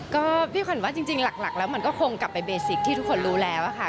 ก็พี่ขวัญว่าจริงหลักแล้วมันก็คงกลับไปเบสิกที่ทุกคนรู้แล้วค่ะ